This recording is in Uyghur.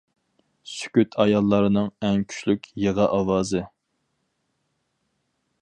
سۈكۈت ئاياللارنىڭ ئەڭ كۈچلۈك يىغا ئاۋازى!